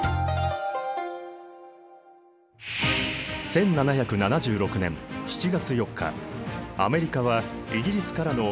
１７７６年７月４日アメリカはイギリスからの独立を宣言。